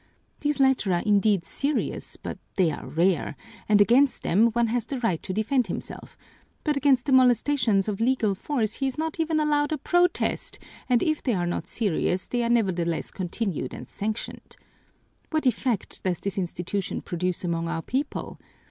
These latter are indeed serious, but they are rare, and against them one has the right to defend himself, but against the molestations of legal force he is not even allowed a protest, and if they are not serious they are nevertheless continued and sanctioned. What effect does this institution produce among our people?